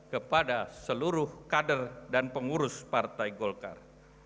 kepada seluruh kader dan pengurus partai golkar